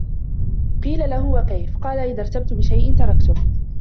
قِيلَ لَهُ وَكَيْفَ ؟ قَالَ إذَا ارْتَبْتَ بِشَيْءٍ تَرَكْتُهُ